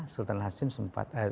sultan hasim sempat